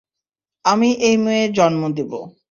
আমি এই মেয়ের জন্ম দেব।